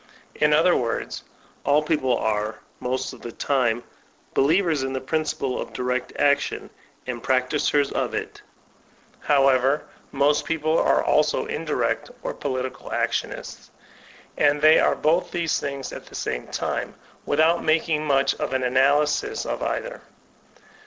In other words, all people are, most of the time, believers in the principle of direct action, and practisers of it However, most people are also indirect or political actionists. And they are both these things at the same time, without making much of an analysis of either.